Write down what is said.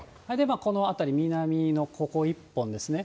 この辺り、南のここ、１本ですね。